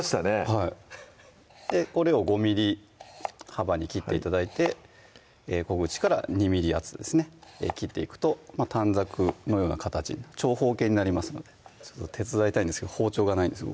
はいこれを５ｍｍ幅に切って頂いて小口から２ｍｍ厚ですね切っていくと短冊のような形に長方形になりますので手伝いたいんですけど包丁がないんですよ